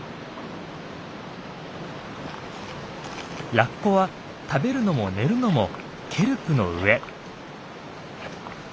ラッコは食べるのも寝るのもケルプの上。